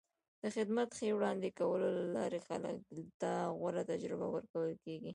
د خدمت ښې وړاندې کولو له لارې خلکو ته غوره تجربه ورکول کېږي.